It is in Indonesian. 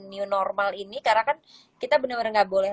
new normal ini karena kan kita bener bener gak boleh